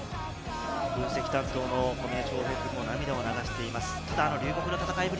分析担当の小峰祥平君も涙を流しています。